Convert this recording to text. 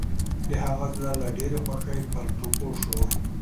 د هغه زړه له ډېرې خوښۍ پر ټوپو شو.